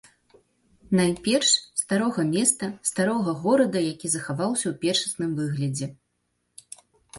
Найперш, старога места, старога горада, які захаваўся ў першасным выглядзе.